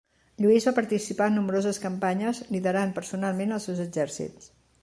Lluís va participar en nombroses campanyes, liderant personalment els seus exèrcits.